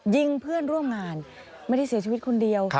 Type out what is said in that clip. ยิงเพื่อนร่วมงานไม่ได้เสียชีวิตคนเดียว